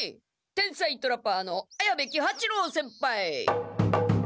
天才トラパーの綾部喜八郎先輩」！